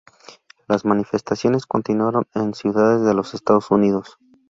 Las manifestaciones continuaron en ciudades de los Estados Unidos.